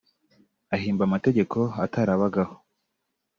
ahimba amategeko atarabagaho